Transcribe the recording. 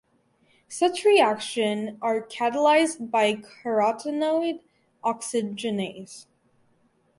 Such reaction are catalyzed by carotenoid oxygenase.